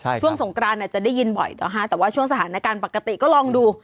ช่วงสงกรานอาจจะได้ยินบ่อยต่อฮะแต่ว่าช่วงสถานการณ์ปกติก็ลองดู